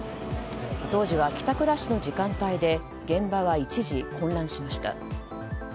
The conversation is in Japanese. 当時は帰宅ラッシュの時間帯で現場は一時混乱しました。